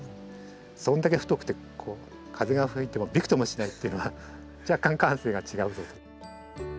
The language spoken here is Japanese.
それだけ太くて風が吹いてもびくともしないというのは若干感性が違う。